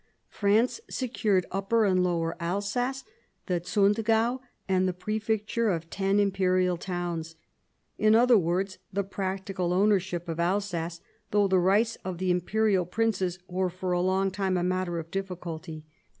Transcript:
France secured Upper and Lower Alsace, the Sundgau, and the prefecture of ten imperial towns ; in other words, the practical ownership of Alsace, though the rights of the imperial princes were for a long time a matter of difficulty.